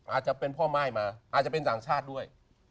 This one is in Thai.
อาจจะเป็นพ่อม่ายมาอาจจะเป็นต่างชาติด้วย